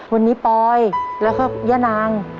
วันนี้ปอยแล้วก็ย่านาง